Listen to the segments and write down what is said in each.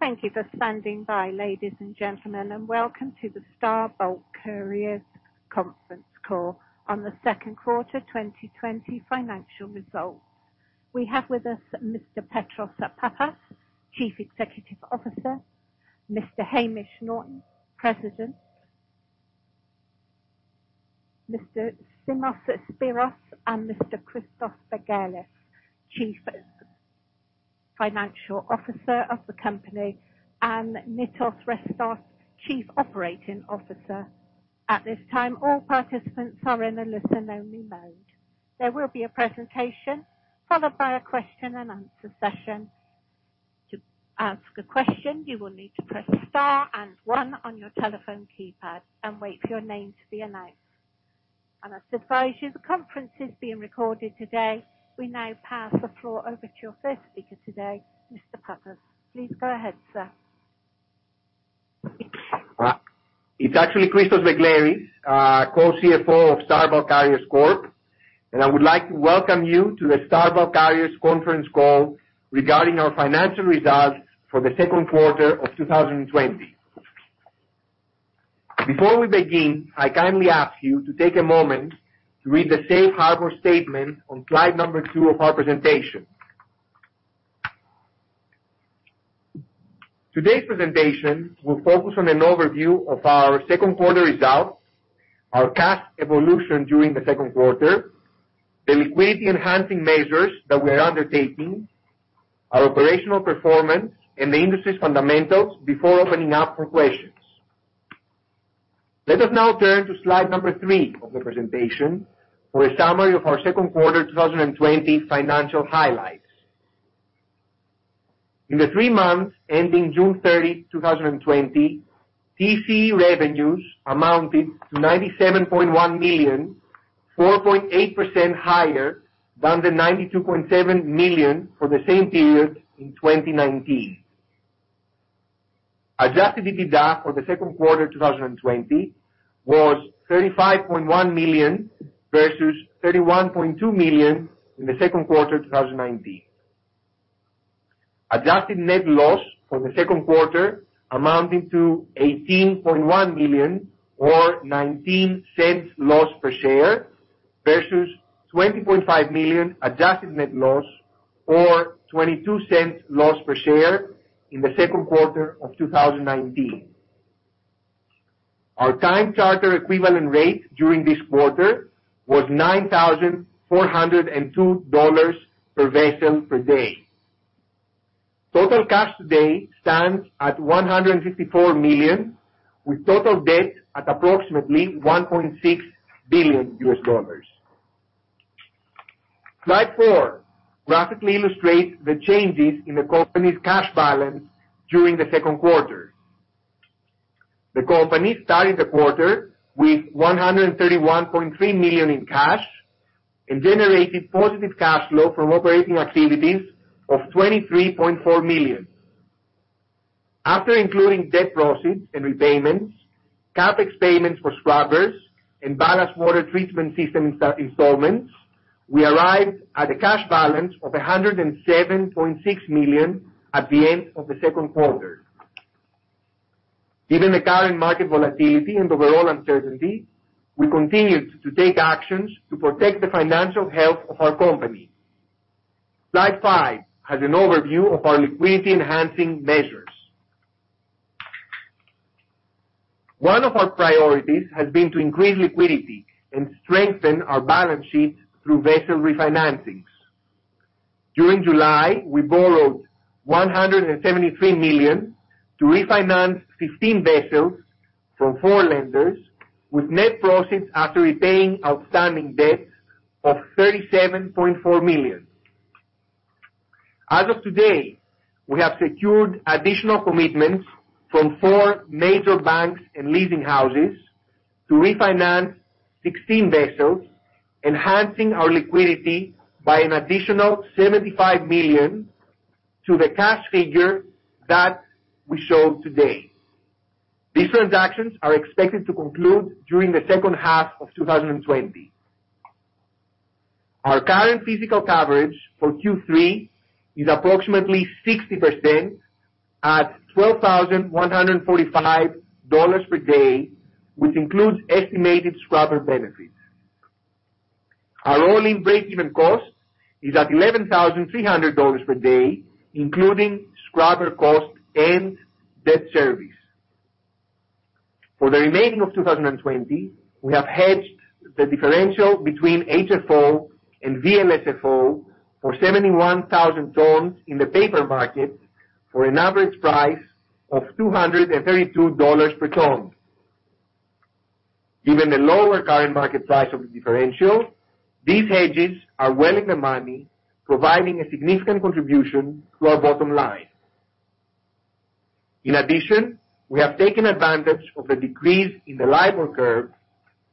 Thank you for standing by, ladies and gentlemen, and Welcome to the Star Bulk Carriers Conference Call on the Second Quarter 2020 Financial Results. We have with us Mr. Petros Pappas, Chief Executive Officer, Mr. Hamish Norton, President, Mr. Simos Spyrou, and Mr. Christos Begleris, Chief Financial Officer of the company, and Nicos Rescos, Chief Operating Officer. At this time, all participants are in a listen-only mode. There will be a presentation followed by a question-and-answer session. To ask a question, you will need to press star and one on your telephone keypad and wait for your name to be announced, and I should advise you the conference is being recorded today. We now pass the floor over to your first speaker today, Mr. Pappas. Please go ahead, sir. It's actually Christos Begleris, Co-CFO of Star Bulk Carriers Corp., and I would like to Welcome you to the Star Bulk Carriers Conference Call regarding our Financial Results for the Second Quarter of 2020. Before we begin, I kindly ask you to take a moment to read the Safe Harbor Statement on slide number 2 of our presentation. Today's presentation will focus on an overview of our second quarter results, our cost evolution during the second quarter, the liquidity-enhancing measures that we are undertaking, our operational performance, and the industry's fundamentals before opening up for questions. Let us now turn to slide number 3 of the presentation for a summary of our second quarter 2020 financial highlights. In the 3 months ending June 30, 2020, TC revenues amounted to $97.1 million, 4.8% higher than the $92.7 million for the same period in 2019. Adjusted EBITDA for the second quarter 2020 was $35.1 million versus $31.2 million in the second quarter 2019. Adjusted net loss for the second quarter amounted to $18.1 million, or $0.19 loss per share, versus $20.5 million adjusted net loss, or $0.22 loss per share in the second quarter of 2019. Our time-charter equivalent rate during this quarter was $9,402 per vessel per day. Total cash today stands at $154 million, with total debt at approximately $1.6 billion. Slide 4 graphically illustrates the changes in the company's cash balance during the second quarter. The company started the quarter with $131.3 million in cash and generated positive cash flow from operating activities of $23.4 million. After including debt proceeds and repayments, CapEx payments for scrubbers and ballast water treatment system installments, we arrived at a cash balance of $107.6 million at the end of the second quarter. Given the current market volatility and overall uncertainty, we continued to take actions to protect the financial health of our company. Slide 5 has an overview of our liquidity-enhancing measures. One of our priorities has been to increase liquidity and strengthen our balance sheet through vessel refinancings. During July, we borrowed $173 million to refinance 15 vessels from four lenders, with net proceeds after repaying outstanding debts of $37.4 million. As of today, we have secured additional commitments from four major banks and leasing houses to refinance 16 vessels, enhancing our liquidity by an additional $75 million to the cash figure that we showed today. These transactions are expected to conclude during the second half of 2020. Our current physical coverage for Q3 is approximately 60% at $12,145 per day, which includes estimated scrubber benefits. Our all-in break-even cost is at $11,300 per day, including scrubber cost and debt service. For the remainder of 2020, we have hedged the differential between HFO and VLSFO for 71,000 tons in the paper market for an average price of $232 per ton. Given the lower current market price of the differential, these hedges are well in the money, providing a significant contribution to our bottom line. In addition, we have taken advantage of the decrease in the LIBOR curve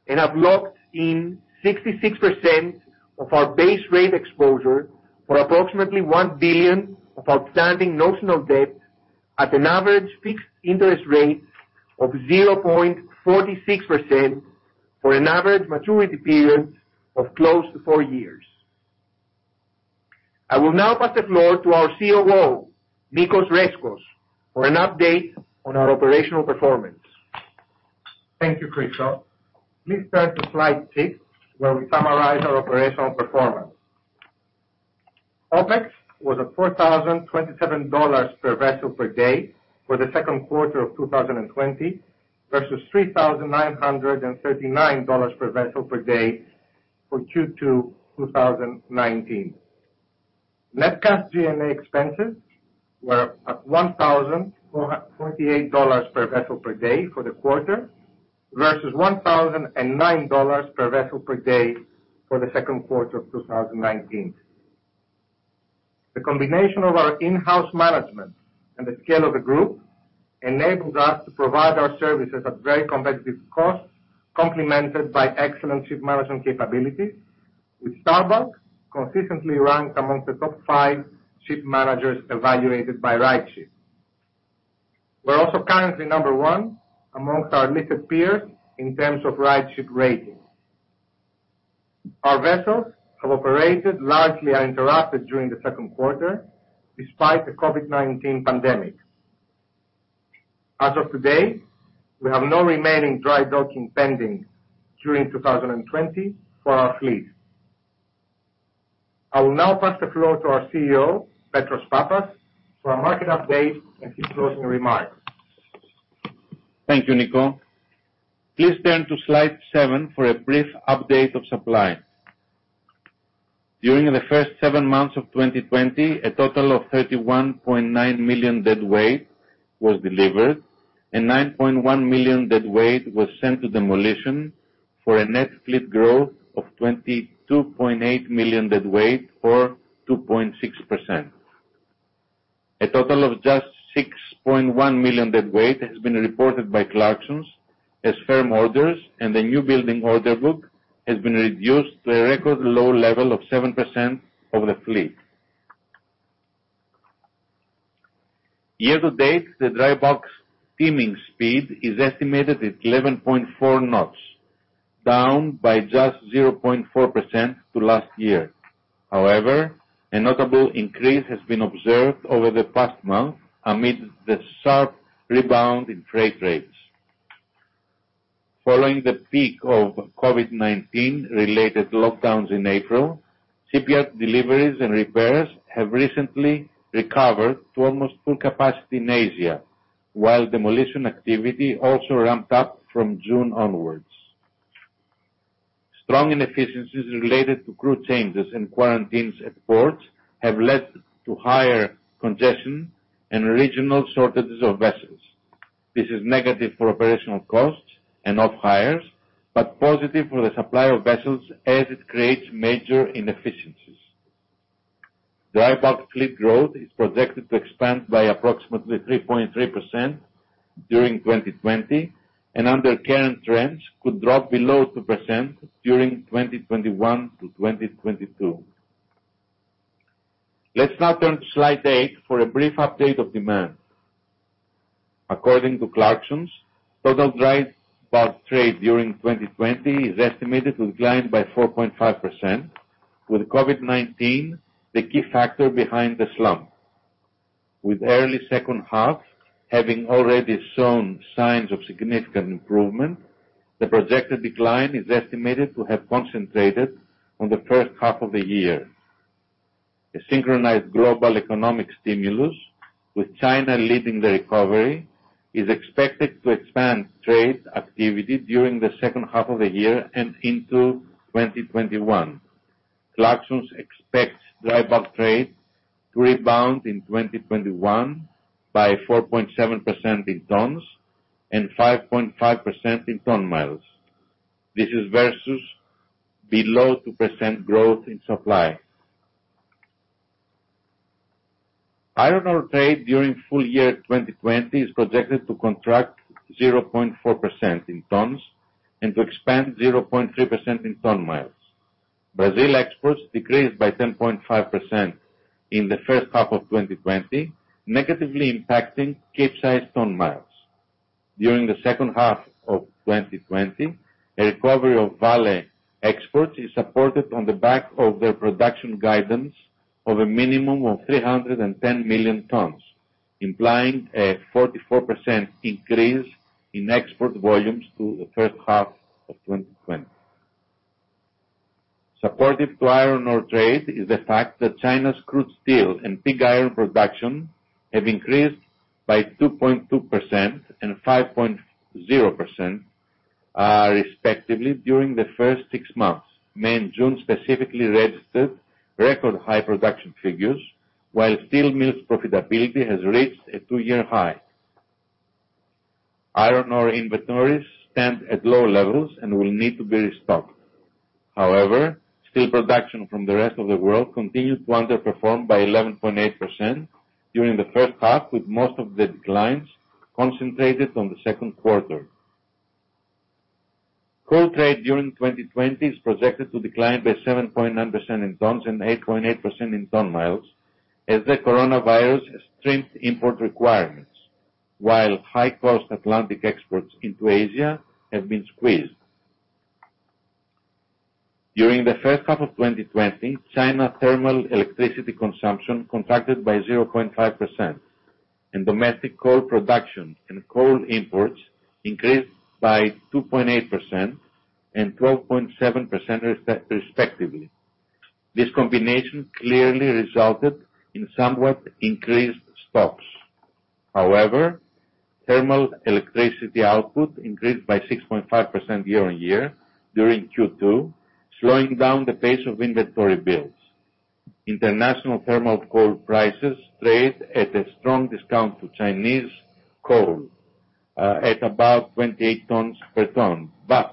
and have locked in 66% of our base rate exposure for approximately $1 billion of outstanding notional debt at an average fixed interest rate of 0.46% for an average maturity period of close to 4 years. I will now pass the floor to our COO, Nicos Rescos, for an update on our operational performance. Thank you, Christos. Please turn to slide 6, where we summarize our operational performance. OPEX was at $4,027 per vessel per day for the second quarter of 2020 versus $3,939 per vessel per day for Q2 2019. Net cost G&A expenses were at $1,428 per vessel per day for the quarter versus $1,009 per vessel per day for the second quarter of 2019. The combination of our in-house management and the scale of the group enables us to provide our services at very competitive costs, complemented by excellent ship management capabilities, with Star Bulk consistently ranked amongst the top 5 ship managers evaluated by RightShip. We're also currently number one amongst our listed peers in terms of RightShip rating. Our vessels have operated largely uninterrupted during the second quarter despite the COVID-19 pandemic. As of today, we have no remaining dry docking pending during 2020 for our fleet. I will now pass the floor to our CEO, Petros Pappas, for a market update and his closing remarks. Thank you, Nicos. Please turn to slide 7 for a brief update of supply. During the first seven months of 2020, a total of 31.9 million deadweight was delivered and 9.1 million deadweight was sent to demolition for a net fleet growth of 22.8 million deadweight, or 2.6%. A total of just 6.1 million deadweight has been reported by Clarksons as firm orders, and the newbuilding order book has been reduced to a record low level of 7% of the fleet. Year to date, the dry bulks steaming speed is estimated at 11.4 knots, down by just 0.4% to last year. However, a notable increase has been observed over the past month amid the sharp rebound in freight rates. Following the peak of COVID-19-related lockdowns in April, shipyard deliveries and repairs have recently recovered to almost full capacity in Asia, while demolition activity also ramped up from June onwards. Strong inefficiencies related to crew changes and quarantines at ports have led to higher congestion and regional shortages of vessels. This is negative for operational costs and off-hires but positive for the supply of vessels as it creates major inefficiencies. Dry bulk fleet growth is projected to expand by approximately 3.3% during 2020 and, under current trends, could drop below 2% during 2021 to 2022. Let's now turn to slide 8 for a brief update of demand. According to Clarksons, total dry dock trade during 2020 is estimated to decline by 4.5%, with COVID-19 the key factor behind the slump. With early second half having already shown signs of significant improvement, the projected decline is estimated to have concentrated on the first half of the year. A synchronized global economic stimulus, with China leading the recovery, is expected to expand trade activity during the second half of the year and into 2021. Clarksons expects dry bulk trade to rebound in 2021 by 4.7% in tons and 5.5% in ton miles. This is versus below 2% growth in supply. Iron Ore trade during full year 2020 is projected to contract 0.4% in tons and to expand 0.3% in ton miles. Brazil exports decreased by 10.5% in the first half of 2020, negatively impacting Capesize ton miles. During the second half of 2020, a recovery of Vale exports is supported on the back of their production guidance of a minimum of 310 million tons, implying a 44% increase in export volumes to the first half of 2020. Supportive to iron ore trade is the fact that China's crude steel and pig iron production have increased by 2.2% and 5.0%, respectively, during the first six months. May and June specifically registered record high production figures, while steel mills' profitability has reached a two-year high. Iron ore inventories stand at low levels and will need to be restocked. However, steel production from the rest of the world continued to underperform by 11.8% during the first half, with most of the declines concentrated on the second quarter. Crude trade during 2020 is projected to decline by 7.9% in tons and 8.8% in ton miles as the coronavirus has trimmed import requirements, while high-cost Atlantic exports into Asia have been squeezed. During the first half of 2020, China's thermal electricity consumption contracted by 0.5%, and domestic coal production and coal imports increased by 2.8% and 12.7%, respectively. This combination clearly resulted in somewhat increased stocks. However, thermal electricity output increased by 6.5% year-on-year during Q2, slowing down the pace of inventory builds. International thermal coal prices trade at a strong discount to Chinese coal at about 28 t per ton, but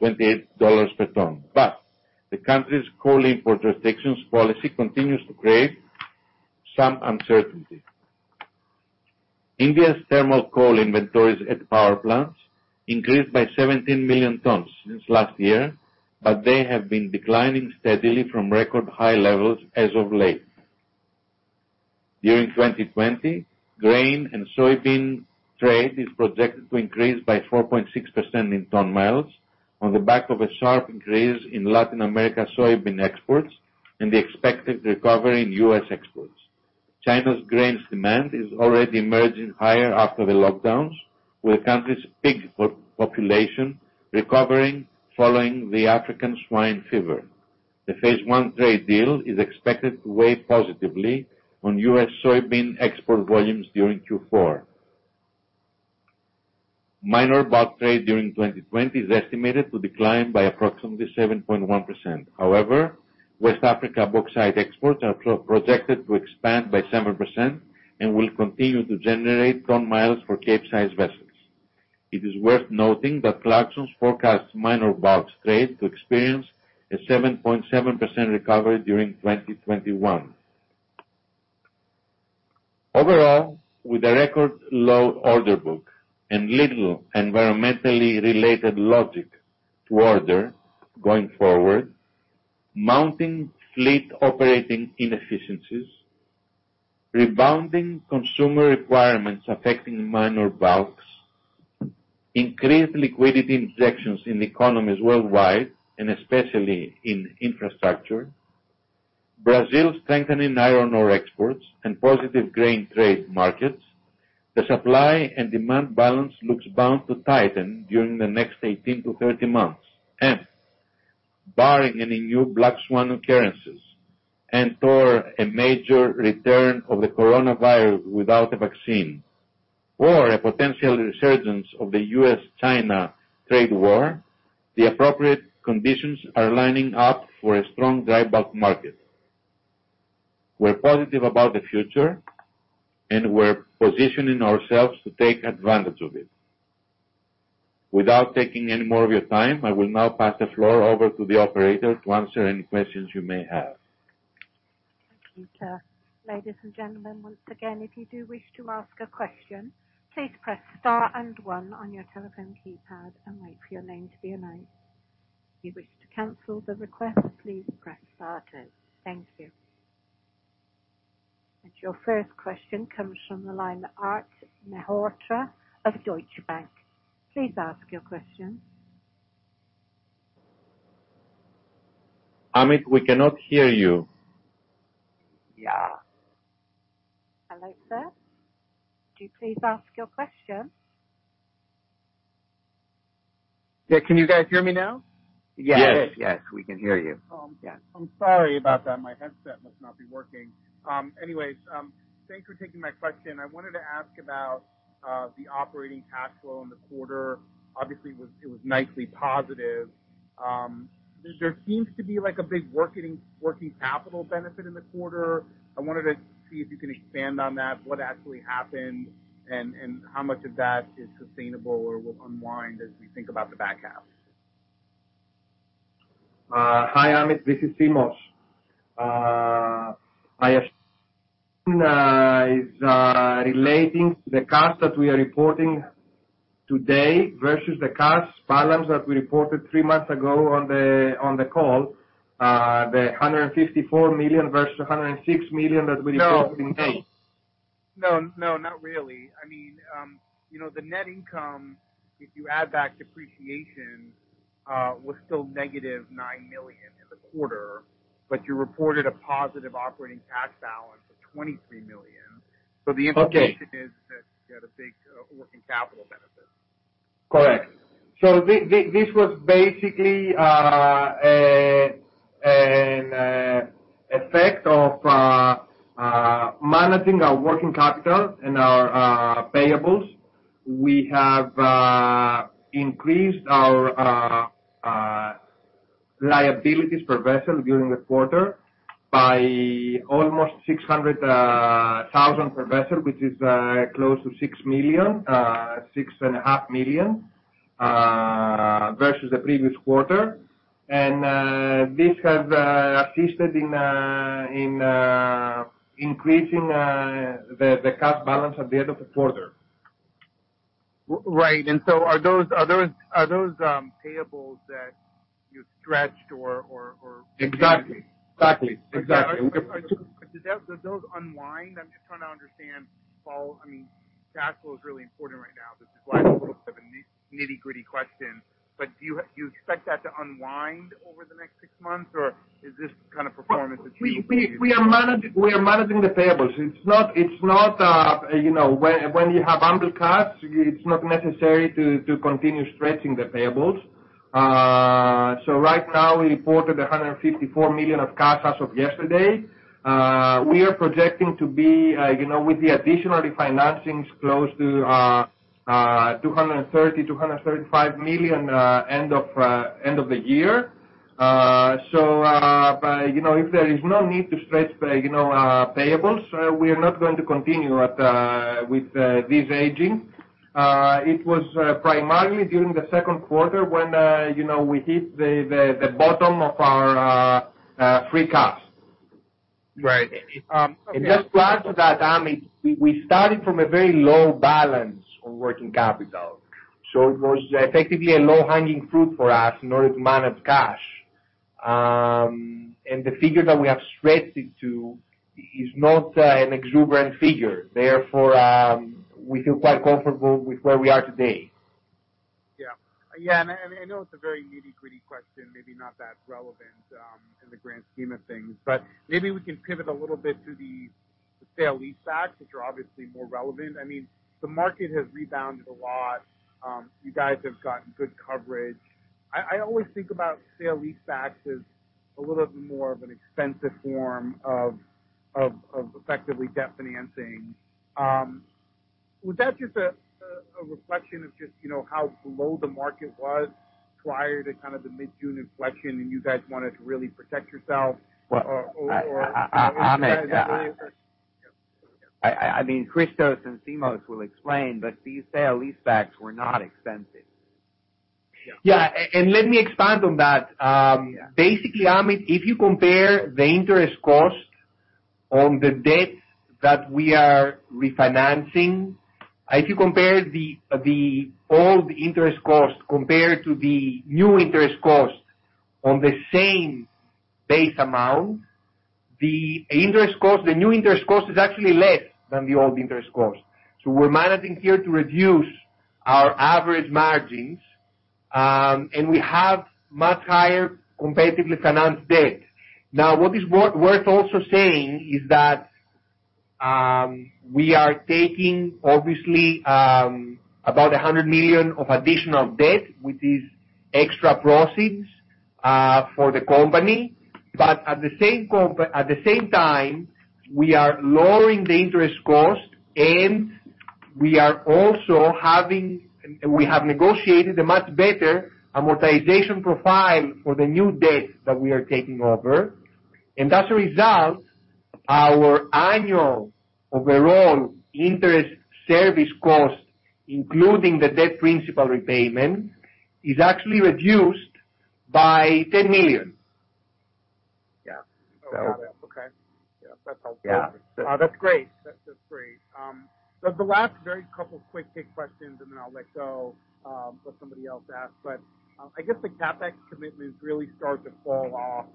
$28 per tons. But the country's coal import restrictions policy continues to create some uncertainty. India's thermal coal inventories at power plants increased by 17 million tons since last year, but they have been declining steadily from record high levels as of late. During 2020, grain and soybean trade is projected to increase by 4.6% in ton miles on the back of a sharp increase in Latin America's soybean exports and the expected recovery in U.S. exports. China's grains demand is already emerging higher after the lockdowns, with the country's pig population recovering following the African swine fever. The Phase One trade deal is expected to weigh positively on U.S. soybean export volumes during Q4. Minor bulk trade during 2020 is estimated to decline by approximately 7.1%. However, West Africa bauxite exports are projected to expand by 7% and will continue to generate ton miles for Capesize vessels. It is worth noting that Clarksons forecasts minor bulk trade to experience a 7.7% recovery during 2021. Overall, with a record low order book and little environmentally related logic to order going forward, mounting fleet operating inefficiencies, rebounding consumer requirements affecting minor bulks, increased liquidity injections in economies worldwide, and especially in infrastructure. Brazil strengthening iron ore exports and positive grain trade markets, the supply and demand balance looks bound to tighten during the next 18 to 30 months, and barring any new black swan occurrences and/or a major return of the coronavirus without a vaccine, or a potential resurgence of the U.S.-China trade war, the appropriate conditions are lining up for a strong drybulk market. We're positive about the future, and we're positioning ourselves to take advantage of it. Without taking any more of your time, I will now pass the floor over to the operator to answer any questions you may have. Thank you, sir. Ladies and gentlemen, once again, if you do wish to ask a question, please press Star and One on your telephone keypad and wait for your name to be announced. If you wish to cancel the request, please press Star two. Thank you. And your first question comes from the line of Amit Mehrotra of Deutsche Bank. Please ask your question. Amit, we cannot hear you. Yeah. Hello, sir. Could you please ask your question? Yeah. Can you guys hear me now? Yes. Yeah. Yes. We can hear you. Oh, yeah. I'm sorry about that. My headset must not be working. Anyways, thanks for taking my question. I wanted to ask about the operating cash flow in the quarter. Obviously, it was nicely positive. There seems to be a big working capital benefit in the quarter. I wanted to see if you can expand on that, what actually happened, and how much of that is sustainable or will unwind as we think about the back half. Hi, Amit. This is Simos. I assume it's relating to the cash that we are reporting today versus the cash balance that we reported three months ago on the call, the $154 million versus $106 million that we reported in May. No. No. No. Not really. I mean, the net income, if you add back depreciation, was still negative $9 million in the quarter, but you reported a positive operating cash balance of $23 million. So the implication is that you had a big working capital benefit. Correct. So this was basically an effect of managing our working capital and our payables. We have increased our liabilities per vessel during the quarter by almost $600,000 per vessel, which is close to $6 million, $6.5 million versus the previous quarter. And this has assisted in increasing the cash balance at the end of the quarter. Right. And so are those payables that you stretched, or? Exactly. Do those unwind? I'm just trying to understand. I mean, cash flow is really important right now. This is why it's a little bit of a nitty-gritty question. But do you expect that to unwind over the next six months, or is this kind of performance achievable? We are managing the payables. It's not when you have ample cash, it's not necessary to continue stretching the payables. So right now, we reported $154 million of cash as of yesterday. We are projecting to be, with the additional refinancings, close to $230 million-$235 million end of the year. So if there is no need to stretch payables, we are not going to continue with this aging. It was primarily during the second quarter when we hit the bottom of our free cash. Right. And just to add to that, Amit, we started from a very low balance on working capital. So it was effectively a low-hanging fruit for us in order to manage cash. And the figure that we have stretched it to is not an exuberant figure. Therefore, we feel quite comfortable with where we are today. Yeah. Yeah. And I know it's a very nitty-gritty question, maybe not that relevant in the grand scheme of things. But maybe we can pivot a little bit to the sale-leaseback, which are obviously more relevant. I mean, the market has rebounded a lot. You guys have gotten good coverage. I always think about sale-leasebacks a little bit more of an expensive form of effectively debt financing. Was that just a reflection of just how below the market was prior to kind of the mid-June inflection, and you guys wanted to really protect yourself, or? Amit. Yeah. I mean, Christos and Simos will explain, but these sale-leasebacks were not expensive. Yeah. And let me expand on that. Basically, Amit, if you compare the interest cost on the debt that we are refinancing, if you compare the old interest cost compared to the new interest cost on the same base amount, the new interest cost is actually less than the old interest cost. So we're managing here to reduce our average margins, and we have much higher comparatively financed debt. Now, what is worth also saying is that we are taking, obviously, about $100 million of additional debt, which is extra proceeds for the company. But at the same time, we are lowering the interest cost, and we are also having, we have negotiated a much better amortization profile for the new debt that we are taking over. And as a result, our annual overall interest service cost, including the debt principal repayment, is actually reduced by $10 million. Yeah. Okay. Yeah. That's helpful. Yeah. That's great. That's great. So the last very couple of quick questions, and then I'll let go of what somebody else asked. But I guess the CapEx commitments really start to fall off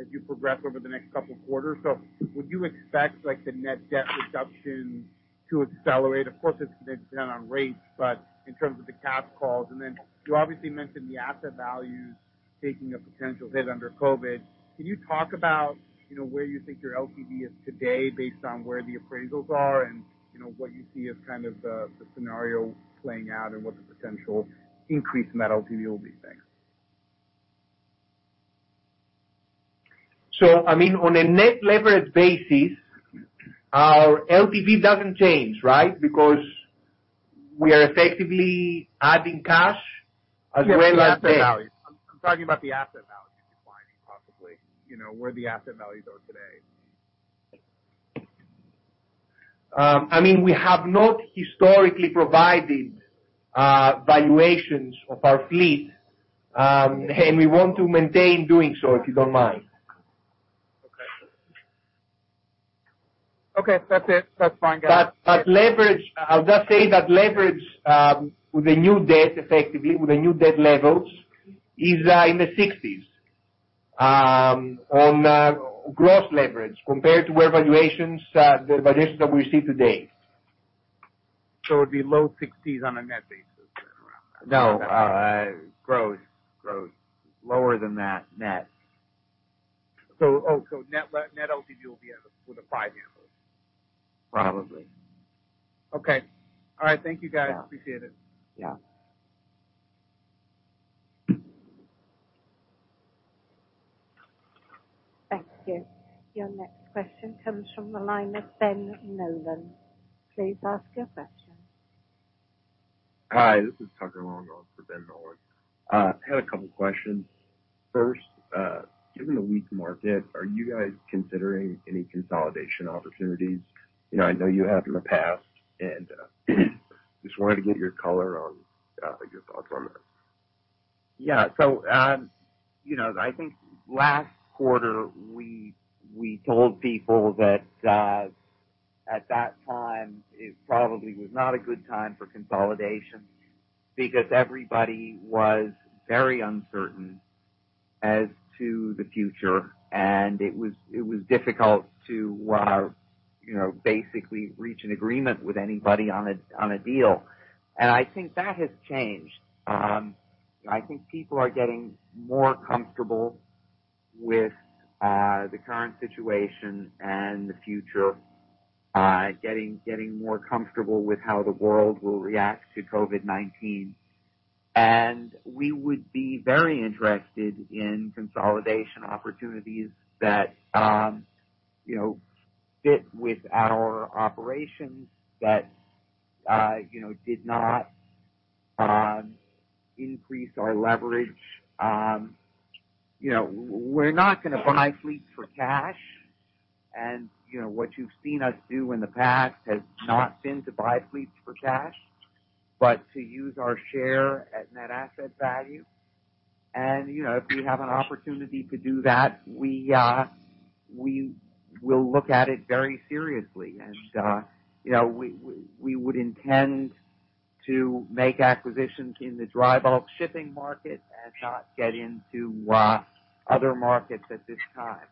as you progress over the next couple of quarters. So would you expect the net debt reduction to accelerate? Of course, it's going to depend on rates, but in terms of the cash calls. And then you obviously mentioned the asset values taking a potential hit under COVID. Can you talk about where you think your LTV is today based on where the appraisals are and what you see as kind of the scenario playing out and what the potential increase in that LTV will be? I mean, on a net leverage basis, our LTV doesn't change, right, because we are effectively adding cash as well as debt. I'm talking about the asset values declining, possibly, where the asset values are today. I mean, we have not historically provided valuations of our fleet, and we want to maintain doing so, if you don't mind. Okay. Okay. That's it. That's fine, guys. But leverage, I'll just say that leverage with the new debt, effectively, with the new debt levels is in the 60s on gross leverage compared to the valuations that we receive today. So it would be low 60s on a net basis? No. Gross. Gross. Lower than that, net. So net LTV will be with a 5 handle? Probably. Okay. All right. Thank you, guys. Appreciate it. Yeah. Thank you. Your next question comes from the line of Ben Nolan. Please ask your question. Hi. This is Tucker Long for Ben Nolan. I had a couple of questions. First, given the weak market, are you guys considering any consolidation opportunities? I know you have in the past, and just wanted to get your color on your thoughts on that. Yeah, so I think last quarter, we told people that at that time, it probably was not a good time for consolidation because everybody was very uncertain as to the future, and it was difficult to basically reach an agreement with anybody on a deal, and I think that has changed. I think people are getting more comfortable with the current situation and the future, getting more comfortable with how the world will react to COVID-19, and we would be very interested in consolidation opportunities that fit with our operations, that did not increase our leverage. We're not going to buy fleets for cash, and what you've seen us do in the past has not been to buy fleets for cash, but to use our share at net asset value, and if we have an opportunity to do that, we will look at it very seriously. We would intend to make acquisitions in the dry bulk shipping market and not get into other markets at this time.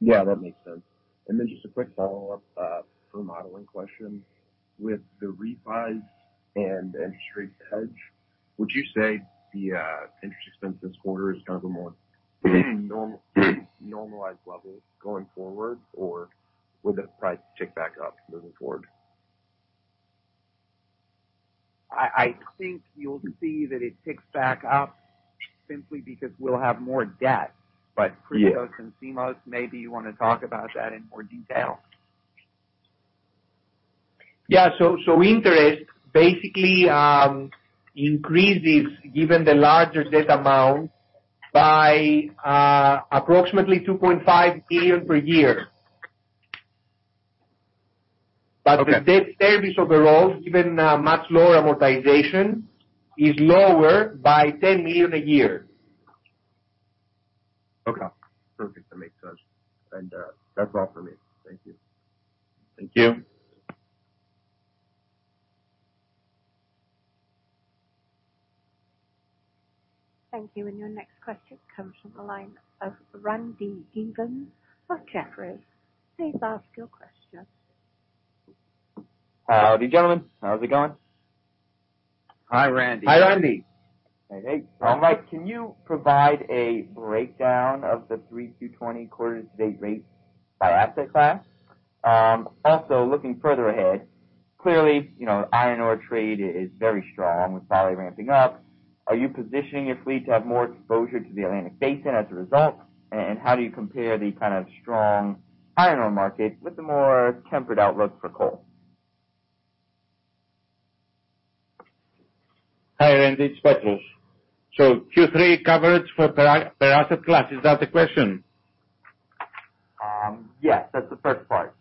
Yeah. That makes sense, and then just a quick follow-up, a modeling question. With the refis and interest hedge, would you say the interest expense this quarter is kind of a more normalized level going forward, or will the price tick back up moving forward? I think you'll see that it ticks back up simply because we'll have more debt. But Christos and Simos, maybe you want to talk about that in more detail. Yeah. So interest basically increases, given the larger debt amount, by approximately $2.5 million per year. But the debt service overall, given much lower amortization, is lower by $10 million a year. Okay. Perfect. That makes sense, and that's all for me. Thank you. Thank you. Thank you. And your next question comes from the line of Randy Giveans of Jefferies. Please ask your question. Howdy, gentlemen. How's it going? Hi, Randy. Hi, Randy. Hey, hey. All right. Can you provide a breakdown of the 3Q20 quarter-to-date rates by asset class? Also, looking further ahead, clearly, iron ore trade is very strong with Brazil ramping up. Are you positioning your fleet to have more exposure to the Atlantic Basin as a result? And how do you compare the kind of strong iron ore market with the more tempered outlook for coal? Hi, Randy. It's Petros. So Q3 coverage for per asset class, is that the question? Yes. That's the first part.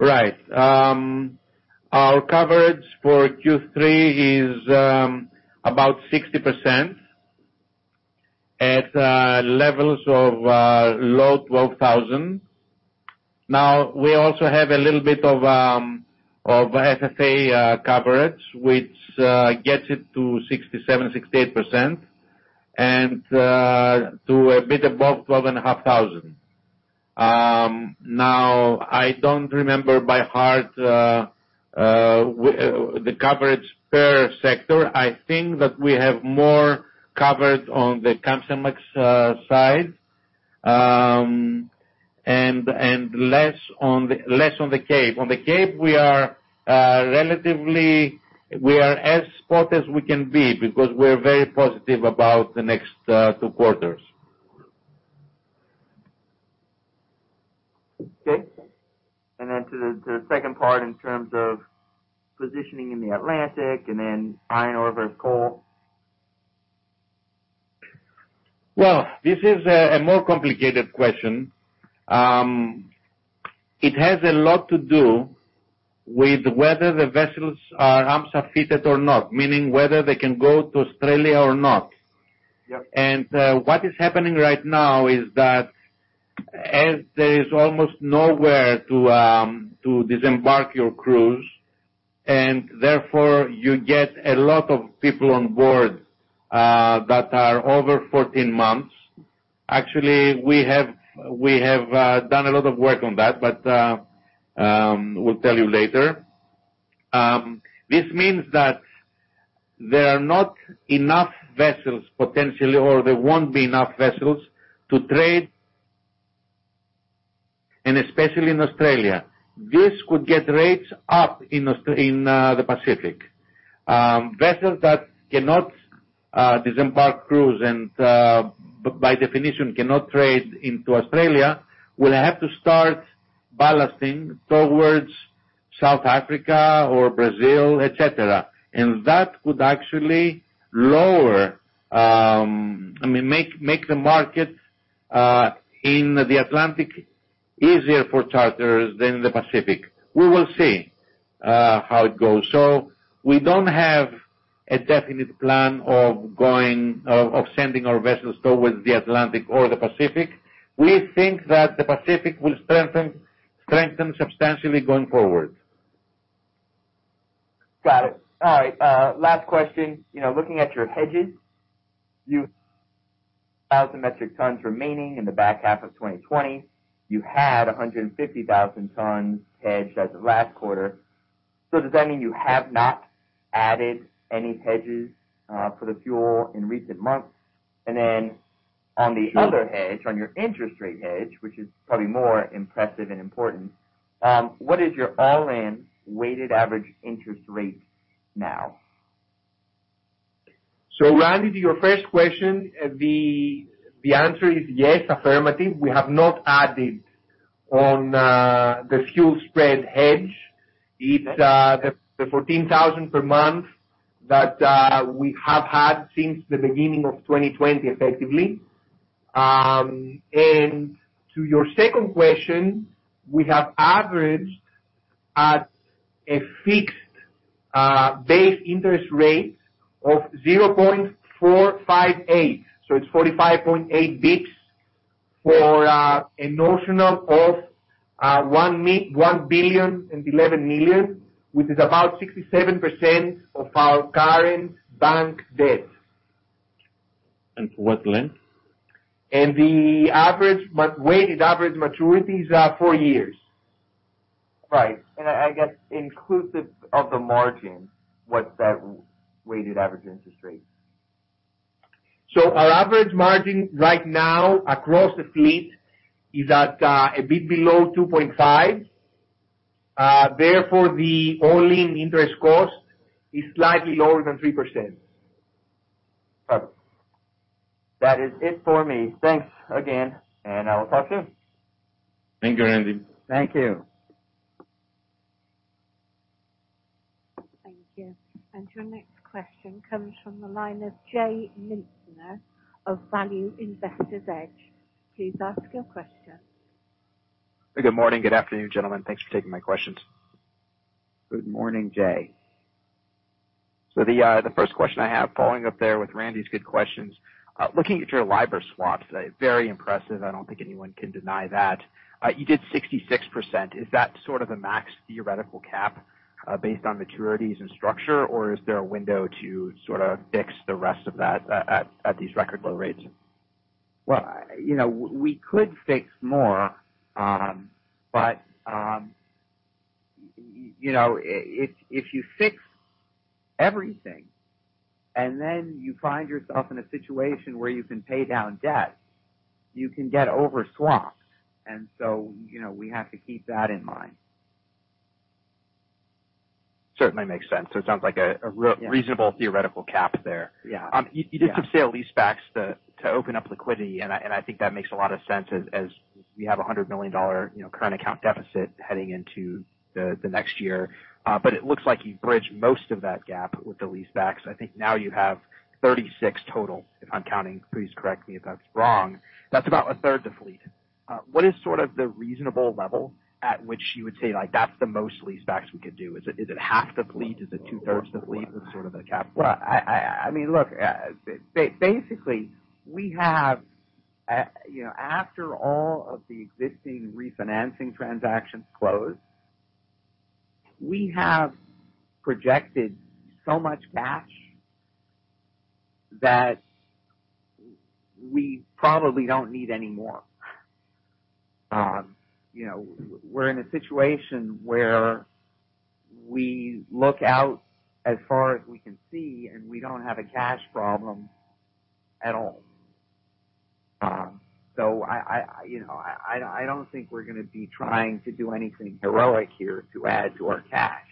Right. Our coverage for Q3 is about 60% at levels of low $12,000. Now, we also have a little bit of FFA coverage, which gets it to 67%-68%, and to a bit above $12,500. Now, I don't remember by heart the coverage per sector. I think that we have more covered on the Kamsarmax side and less on the Cape. On the Cape, we are as spot as we can be because we're very positive about the next two quarters. Okay. And then to the second part in terms of positioning in the Atlantic and then iron ore versus coal? This is a more complicated question. It has a lot to do with whether the vessels are AMSA-fitted or not, meaning whether they can go to Australia or not. What is happening right now is that there is almost nowhere to disembark your crew, and therefore, you get a lot of people on board that are over 14 months. Actually, we have done a lot of work on that, but we'll tell you later. This means that there are not enough vessels potentially, or there won't be enough vessels to trade, and especially in Australia. This could get rates up in the Pacific. Vessels that cannot disembark crew and, by definition, cannot trade into Australia will have to start ballasting towards South Africa or Brazil, etc. That could actually lower, I mean, make the market in the Atlantic easier for charters than the Pacific. We will see how it goes, so we don't have a definite plan of sending our vessels towards the Atlantic or the Pacific. We think that the Pacific will strengthen substantially going forward. Got it. All right. Last question. Looking at your hedges, you have 1,000 metric tons remaining in the back half of 2020. You had 150,000 tons hedged as of last quarter. So does that mean you have not added any hedges for the fuel in recent months? And then on the other hedge, on your interest rate hedge, which is probably more impressive and important, what is your all-in weighted average interest rate now? So, Randy, to your first question, the answer is yes, affirmative. We have not added on the fuel spread hedge. It's the 14,000 per month that we have had since the beginning of 2020, effectively. And to your second question, we have averaged at a fixed base interest rate of 0.458. So it's 45.8 basis points for a notional of 1 billion and 11 million, which is about 67% of our current bank debt. For what length? The average weighted average maturity is four years. Right. And I guess inclusive of the margin, what's that weighted average interest rate? So our average margin right now across the fleet is at a bit below 2.5. Therefore, the all-in interest cost is slightly lower than 3%. Perfect. That is it for me. Thanks again, and I will talk soon. Thank you, Randy. Thank you. Thank you. And your next question comes from the line of J Mintzmyer of Value Investor's Edge. Please ask your question. Good morning. Good afternoon, gentlemen. Thanks for taking my questions. Good morning, Jay. So the first question I have following up there with Randy's good questions, looking at your LIBOR swaps, very impressive. I don't think anyone can deny that. You did 66%. Is that sort of the max theoretical cap based on maturities and structure, or is there a window to sort of fix the rest of that at these record low rates? We could fix more, but if you fix everything and then you find yourself in a situation where you can pay down debt, you can get overswapped, and so we have to keep that in mind. Certainly makes sense. So it sounds like a reasonable theoretical cap there. You did some sale leasebacks to open up liquidity, and I think that makes a lot of sense as we have a $100 million current account deficit heading into the next year. But it looks like you've bridged most of that gap with the leasebacks. I think now you have 36 total, if I'm counting. Please correct me if that's wrong. That's about a third of the fleet. What is sort of the reasonable level at which you would say, "That's the most leasebacks we could do"? Is it half the fleet? Is it 2/3 the fleet? What's sort of the cap? I mean, look, basically, we have, after all of the existing refinancing transactions closed, we have projected so much cash that we probably don't need any more. We're in a situation where we look out as far as we can see, and we don't have a cash problem at all. So I don't think we're going to be trying to do anything heroic here to add to our cash.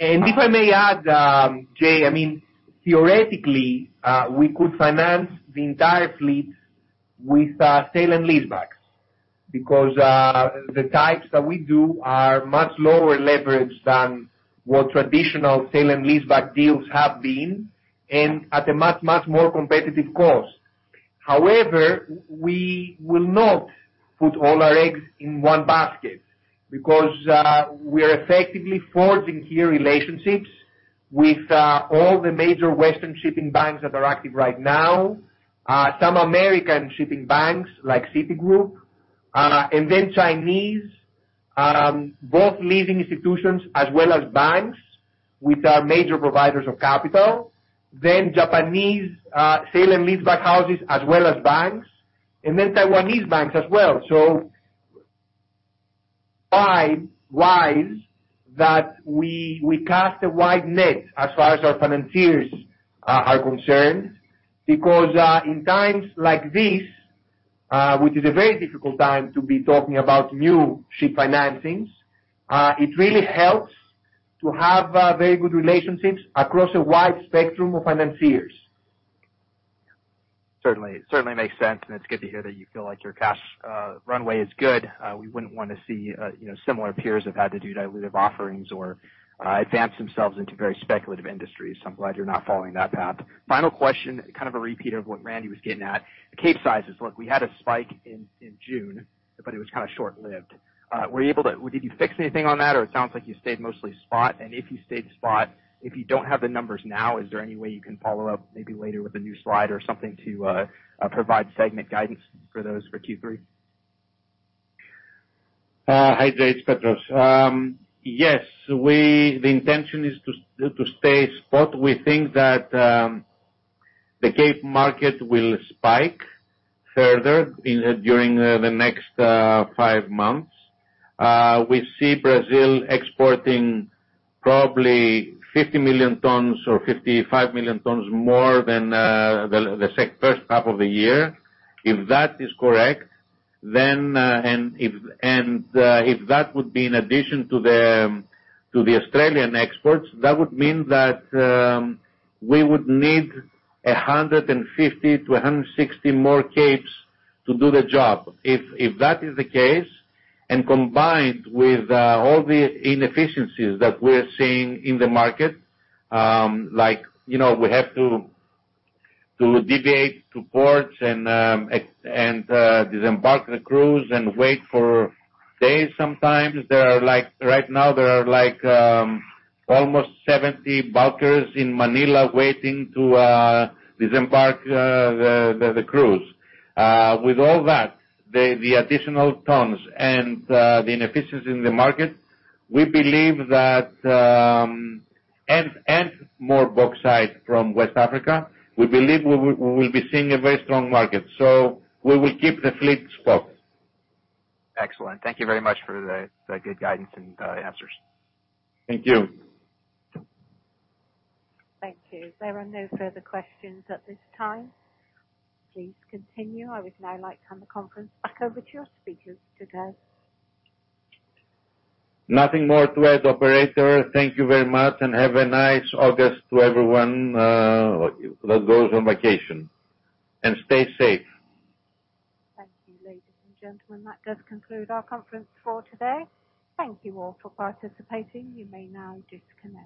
And if I may add, J Mintzmyer, I mean, theoretically, we could finance the entire fleet with sale and leasebacks because the types that we do are much lower leverage than what traditional sale and leaseback deals have been and at a much, much more competitive cost. However, we will not put all our eggs in one basket because we are effectively forging here relationships with all the major Western shipping banks that are active right now, some American shipping banks like Citigroup, and then Chinese, both leading institutions as well as banks, which are major providers of capital, then Japanese sale and leaseback houses as well as banks, and then Taiwanese banks as well. So that is why we cast a wide net as far as our financiers are concerned. Because in times like this, which is a very difficult time to be talking about new ship financings, it really helps to have very good relationships across a wide spectrum of financiers. Certainly makes sense, and it's good to hear that you feel like your cash runway is good. We wouldn't want to see similar peers have had to do dilutive offerings or advance themselves into very speculative industries. So I'm glad you're not following that path. Final question, kind of a repeater of what Randy was getting at. Capesize, look, we had a spike in June, but it was kind of short-lived. Were you able to, did you fix anything on that, or it sounds like you stayed mostly spot? And if you stayed spot, if you don't have the numbers now, is there any way you can follow up maybe later with a new slide or something to provide segment guidance for those for Q3? Hi, Jay. It's Petros. Yes. The intention is to stay spot. We think that the Cape market will spike further during the next five months. We see Brazil exporting probably 50 million tons or 55 million tons more than the first half of the year. If that is correct, then, and if that would be in addition to the Australian exports, that would mean that we would need 150 to 160 more Capes to do the job. If that is the case, and combined with all the inefficiencies that we're seeing in the market, like we have to deviate to ports and disembark the crew and wait for days sometimes. Right now, there are almost 70 bulkers in Manila waiting to disembark the crew. With all that, the additional tons and the inefficiency in the market, we believe that, and more bulk side from West Africa, we believe we will be seeing a very strong market. So we will keep the fleet spot. Excellent. Thank you very much for the good guidance and answers. Thank you. Thank you. There are no further questions at this time. Please continue. I would now like to hand the conference back over to your speakers today. Nothing more to add, Operator. Thank you very much, and have a nice August to everyone that goes on vacation, and stay safe. Thank you, ladies and gentlemen. That does conclude our conference for today. Thank you all for participating. You may now disconnect.